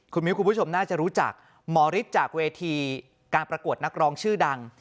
คุณมิ้วคุณผู้ชมน่าจะรู้จักหมอฤทธิ์จากเวทีการประกวดนักร้องชื่อดัง